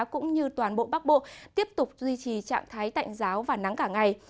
cũng như toàn bộ bắc bộ tiếp tục duy trì trạng thái tạnh giáo và nắng cả ngày